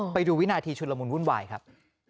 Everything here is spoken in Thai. ไปดูวินาทีชุนละมุนวุ่นวายครับ